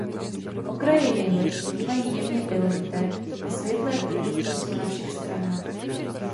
Okraje jehlic bývají jemně pilovité a světlé průduchy jsou na všech stranách.